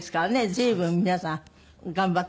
随分皆さん頑張った。